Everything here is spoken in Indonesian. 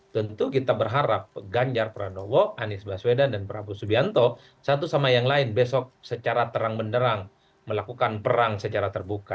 tentu kita berharap ganjar pranowo anies baswedan dan prabowo subianto satu sama yang lain besok secara terang benderang melakukan perang secara terbuka